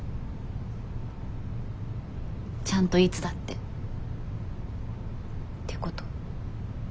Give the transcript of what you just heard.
ちゃんといつだってってこと。